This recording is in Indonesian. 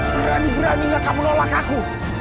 berani beraninya kamu nolak aku